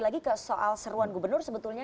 lagi ke soal seruan gubernur sebetulnya